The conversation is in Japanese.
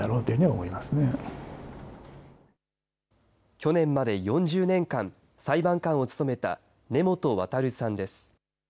去年まで４０年間、裁判官を務めた根本渉さんです。